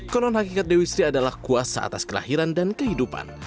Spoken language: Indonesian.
konon hakikat dewi sri adalah kuasa atas kelahiran dan kehidupan